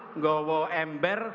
tidak ada ember